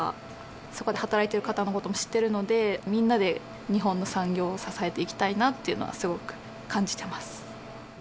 そこで働いてる方のことも知ってるので、みんなで日本の産業を支えていきたいなっていうのは、すごく感じてます。